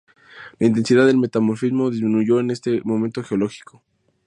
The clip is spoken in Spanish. La intensidad del metamorfismo disminuyó en este momento geológico.